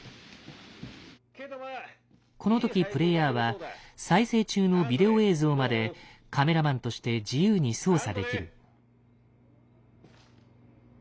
この時プレイヤーは再生中のビデオ映像までカメラマンとして自由に操作できる。